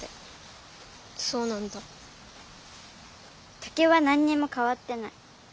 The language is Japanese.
竹は何にもかわってない。